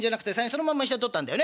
そのまま下に取ったんだよね。